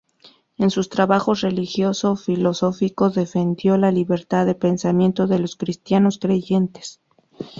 En sus trabajos religioso-filosóficos defendió la libertad de pensamiento de los cristianos creyentes.